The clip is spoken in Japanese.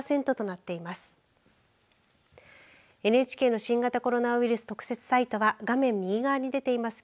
ＮＨＫの新型コロナウイルス特設サイトは画面右側に出ています